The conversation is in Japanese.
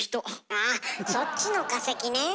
あぁそっちの化石ね。